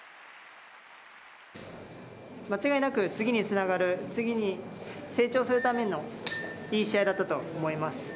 間違いなく、次につながる、次に成長するためのいい試合だったと思います。